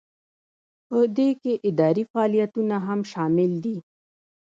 په دې کې اداري فعالیتونه هم شامل دي.